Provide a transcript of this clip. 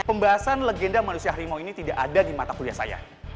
pembahasan legenda manusia harimau ini tidak ada di mata kuliah saya